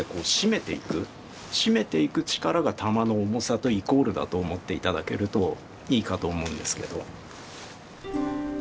締めていく力が玉の重さとイコールだと思って頂けるといいかと思うんですけど。